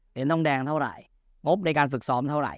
เหรียญทองแดงเท่าไหร่งบในการฝึกซ้อมเท่าไหร่